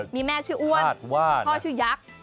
มีแม่ชื่ออ้วนพ่อชื่อยักษ์